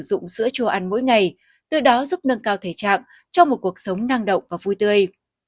sử dụng sữa chua ăn mỗi ngày từ đó giúp nâng cao thể trạng cho một cuộc sống năng động và vui tươi